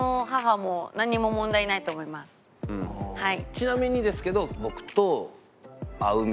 ちなみにですけど。